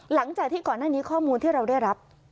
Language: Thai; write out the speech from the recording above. หลังจากที่ก่อนหน้านี้ข้อมูลที่เราได้รับ